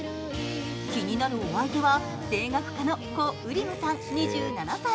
気になるお相手は声楽家のコ・ウリムさん、２７歳。